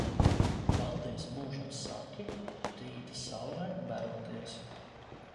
Paldies mūžam saki, rīta saulē veroties.